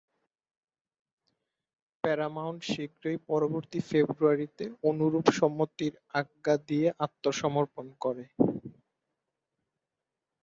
Paramount শীঘ্রই পরবর্তী ফেব্রুয়ারিতে অনুরূপ সম্মতির আজ্ঞা দিয়ে আত্মসমর্পণ করে।